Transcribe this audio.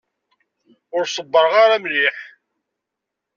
Ur ṣebbreɣ ara mliḥ.